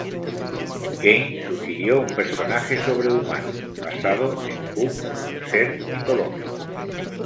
Kane sugirió un personaje sobre-humano, basado en Puck, un ser mitológico.